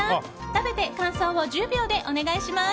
食べて感想を１０秒でお願いします。